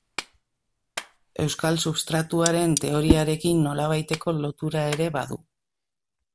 Euskal substratuaren teoriarekin nolabaiteko lotura ere badu.